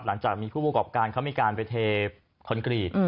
หลังจากมีผู้ประกอบการเขามีการไปเทคอนกรีต